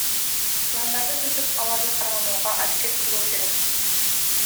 Пландарды түзүп, аларды карманууга аракет кылуу керек.